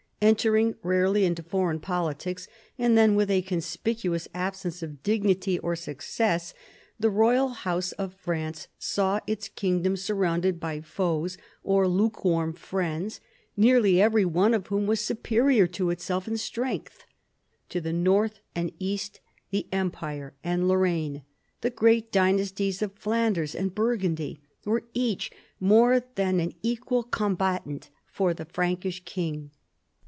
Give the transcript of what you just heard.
Entering rarely into foreign politics, and then with a conspicuous absence of dignity or success, the royal house of France saw its kingdom surrounded by foes or lukewarm friends, nearly every one of whom was superior to itself in strength. To the north and east the Empire and Lorraine, the great dynasties of Flanders and Burgundy, were each more than an equal combatant for the Frank ish king.